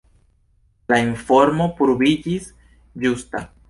La informo pruviĝis ĝusta.